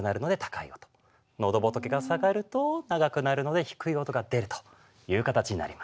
のどぼとけが下がると長くなるので低い音が出るという形になります。